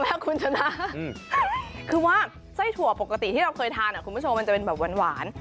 แล้วคุณชนะคือว่าไส้ถั่วปกติที่เราเคยทานคุณผู้ชมมันจะเป็นแบบหวาน